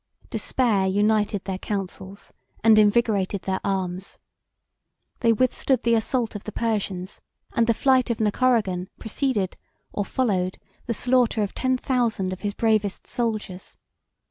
Despair united their counsels and invigorated their arms: they withstood the assault of the Persians and the flight of Nacoragan preceded or followed the slaughter of ten thousand of his bravest soldiers.